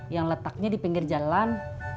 yang letaknya di pinggir jalan